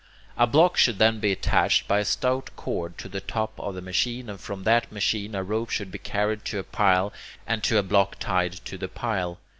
A block should then be attached by a stout cord to the top of the machine, and from that point a rope should be carried to a pile, and to a block tied to the pile.